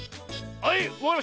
はい。